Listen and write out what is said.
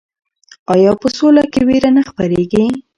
آیا په سوله کې ویره نه خپریږي؟